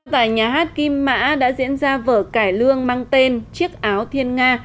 tại nhà hát kim mã đã diễn ra vở cải lương mang tên chiếc áo thiên nga